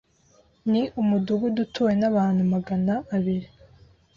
Ni umudugudu utuwe n'abantu magana abiri.